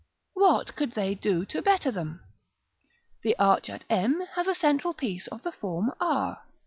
What could they do to better them? The arch at m has a central piece of the form r.